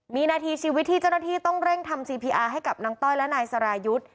มีนาทีชีวิตที่เจ้าหน้าที่ต้องเร่งทำซีพีอาร์ให้กับนางต้อยและนายสรายุทธ์